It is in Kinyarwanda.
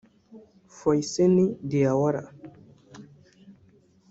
Fousseiny Diawara